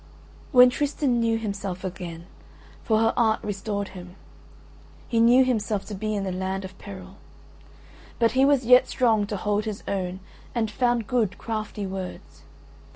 When Tristan knew himself again (for her art restored him) he knew himself to be in the land of peril. But he was yet strong to hold his own and found good crafty words.